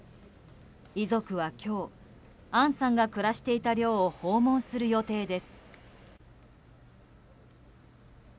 遺族は今日杏さんが暮らしていた寮を訪問する予定です。